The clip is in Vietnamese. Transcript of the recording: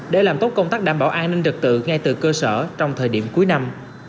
để làm tốt công tác đảm bảo an ninh trật tự ngay từ cơ sở trong thời điểm cuối năm